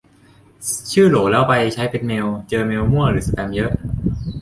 ชื่อโหลแล้วไปใช้เป็นเมล เจอเมลมั่วหรือสแปมเยอะ